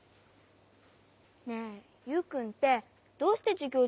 ねえユウくんってどうしてじゅぎょう